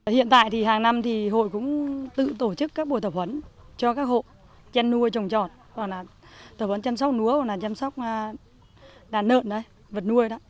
hiện tại thì hàng năm thì hội cũng tự tổ chức các buổi tập huấn cho các hộ chăn nuôi trồng trọt hoặc là tập huấn chăm sóc lúa hoặc là chăm sóc đàn lợn vật nuôi đó